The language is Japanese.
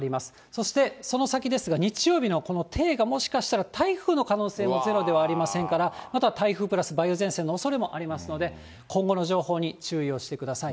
そしてその先ですが、日曜日のこの低がもしかしたら台風の可能性もゼロではありませんから、また台風クラス梅雨前線のおそれもありますので、今後の情報に注意をしてください。